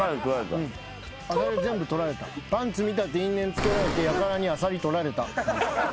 パンツ見たって因縁つけられてやからにアサリ取られた。